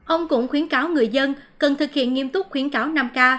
ông cũng khuyến cáo người dân cần thực hiện nghiêm túc khuyến cáo năm k